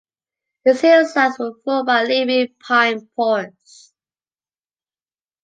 Its hillsides were full by leafy pine forests.